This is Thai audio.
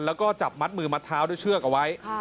แล้วก็จับมัดมือมัดเท้าด้วยเชือกเอาไว้